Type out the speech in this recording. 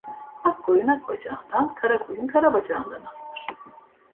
Ak koyun ak bacağından, kara koyun kara bacağından asılır.